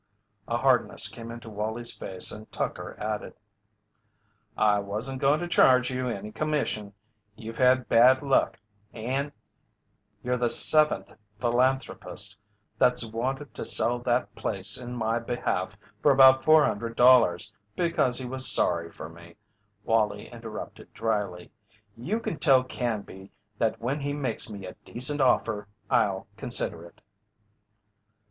A hardness came into Wallie's face and Tucker added: "I wasn't goin' to charge you any commission you've had bad luck and " "You're the seventh philanthropist that's wanted to sell that place in my behalf for about $400, because he was sorry for me," Wallie interrupted, drily. "You tell Canby that when he makes me a decent offer I'll consider it."